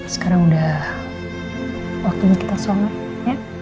sekarang udah waktunya kita semangat ya